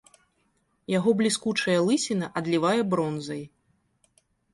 Яго бліскучая лысіна адлівае бронзай.